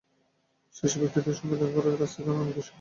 শীর্ষ ব্যক্তিদের সঙ্গে দেখা করে তাঁদের কাছ থেকে আমি অনেক কিছু শিখেছি।